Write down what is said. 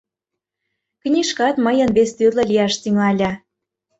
Книжкат мыйын вестӱрлӧ лияш тӱҥале.